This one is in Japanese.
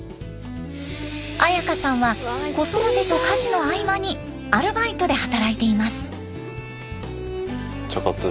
彩花さんは子育てと家事の合間にアルバイトで働いています。